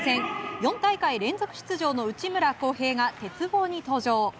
４大会連続出場の内村航平が鉄棒に登場。